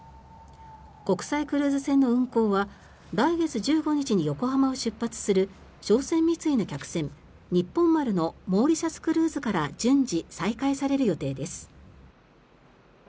国際クルーズ船の運航は来月１５日に横浜を出発する商船三井の客船「にっぽん丸」のモーリシャスクルーズから順次再開される予定です。